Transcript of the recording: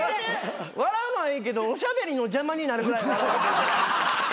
笑うのはいいけどおしゃべりの邪魔になるぐらい笑わんといて。